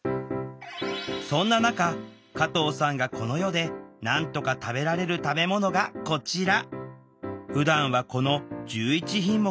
そんな中加藤さんがこの世でなんとか食べられる食べ物がこちら。